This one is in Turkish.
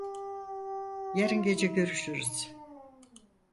Yarın gece görüşürüz.